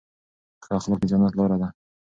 ښه اخلاق د جنت لاره ده.